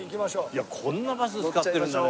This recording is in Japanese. いやこんなバス使ってるんだね。